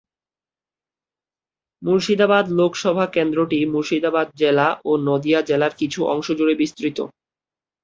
মুর্শিদাবাদ লোকসভা কেন্দ্রটি মুর্শিদাবাদ জেলা ও নদীয়া জেলার কিছু অংশ জুড়ে বিস্তৃত।